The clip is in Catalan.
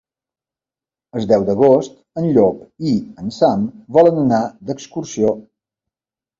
El deu d'agost en Llop i en Sam volen anar d'excursió.